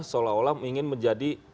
seolah olah ingin menjadi